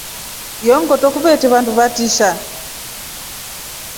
Iyo ngoto kuvetre vandu vatrisha.